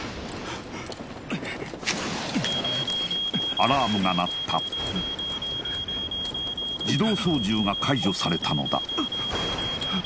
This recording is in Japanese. アラームが鳴った自動操縦が解除されたのだ